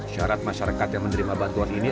syarat masyarakat yang menerima bantuan ini